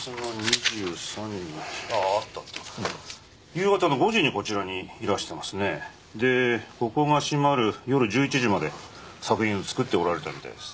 夕方の５時にこちらにいらしてますねでここが閉まる夜１１時まで作品を作っておられたみたいです